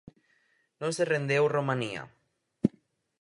Non se rendeu Romanía.